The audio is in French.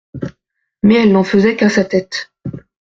Mais elle n'en faisait qu'à sa tête.